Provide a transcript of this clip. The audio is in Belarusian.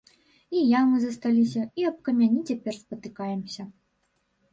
І ямы засталіся, і аб камяні цяпер спатыкаемся.